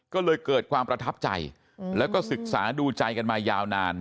ก็เลยเกิดความประทับใจแล้วก็ศึกษาดูใจกันมายาวนาน